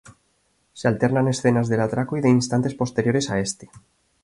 Se alternan escenas del atraco y de instantes posteriores a este.